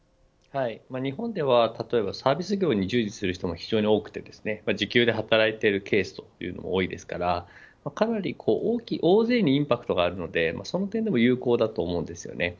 日本では例えばサービス業に従事する人が非常に多く時給で働いているケースというのが多いですからかなり大勢にインパクトがあるのでその点でも有効だと思います。